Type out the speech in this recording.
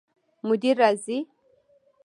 مدیر راځي؟